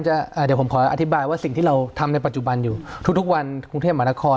เดี๋ยวผมขออธิบายว่าสิ่งที่เราทำในปัจจุบันอยู่ทุกวันกรุงเทพมหานคร